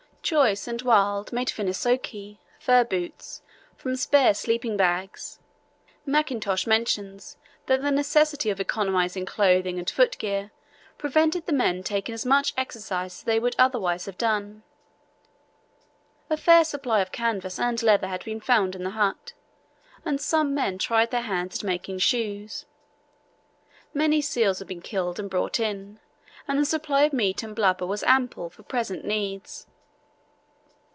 Joyce and Wild made finneskoe (fur boots) from spare sleeping bags. Mackintosh mentions that the necessity of economizing clothing and footgear prevented the men taking as much exercise as they would otherwise have done. A fair supply of canvas and leather had been found in the hut, and some men tried their hands at making shoes. Many seals had been killed and brought in, and the supply of meat and blubber was ample for present needs.